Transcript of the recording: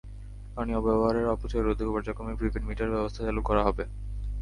পানি ব্যবহারের অপচয় রোধে পর্যায়ক্রমে প্রিপেইড মিটার ব্যবস্থা চালু করা হবে।